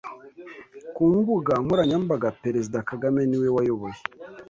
ku mbuga nkoranyambagaPerezida Kagame ni we wayoboye